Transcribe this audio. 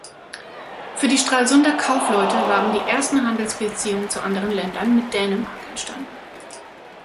Für die Stralsunder Kaufleute waren die ersten Handelsbeziehungen zu anderen Ländern mit Dänemark entstanden.